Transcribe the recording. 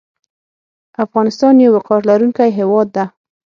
افغانستان یو وقار لرونکی هیواد ده